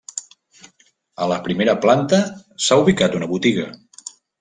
A la primera planta s'ha ubicat una botiga.